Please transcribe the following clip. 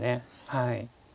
はい。